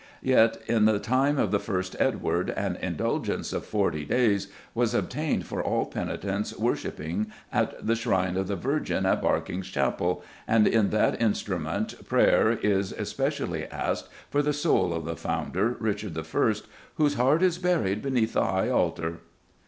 Yet in the time of the first Edward, an Indulgence of forty days was obtained for all penitents worshipping at the shrine of the Virgin at Berkinge Chapel, and in that instrument prayer is especially asked for the soul of the founder, Richard I., "whose heart is buried beneath the high altar."